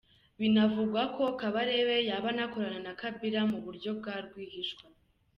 Binavugwako Kabarebe yaba anakorana na Kabila mu buryo bwa rwihishwa.